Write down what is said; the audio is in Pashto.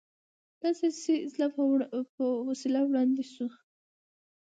دا د سیاسي اسلام په وسیله وړاندې شو.